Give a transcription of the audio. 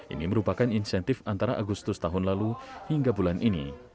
ini merupakan insentif antara agustus tahun lalu hingga bulan ini